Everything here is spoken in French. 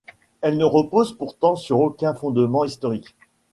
Elle ne repose pourtant sur aucun fondement historique.